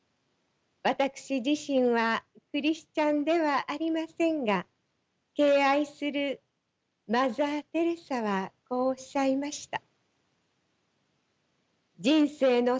私自身はクリスチャンではありませんが敬愛するマザー・テレサはこうおっしゃいました。